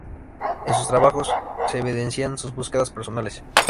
En sus trabajos se evidencian sus búsquedas personales.